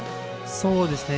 そうですね。